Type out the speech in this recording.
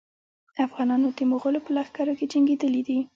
افغانان د مغولو په لښکرو کې جنګېدلي دي.